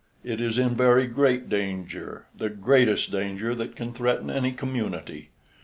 It is in very great danger, the greatest danger that can threaten any community.